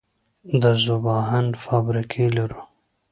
د ذوب اهن فابریکې لرو؟